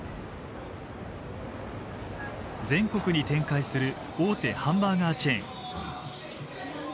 全国に展開する大手ハンバーガーチェーン。